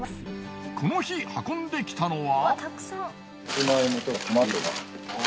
この日運んできたのは。